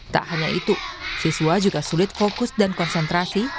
tak hanya itu siswa juga sulit fokus dan konsentrasi